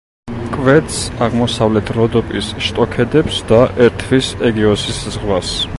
კვეთს აღმოსავლეთ როდოპის შტოქედებს და ერთვის ეგეოსის ზღვას.